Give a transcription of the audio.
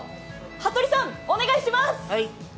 服部さん、お願いします。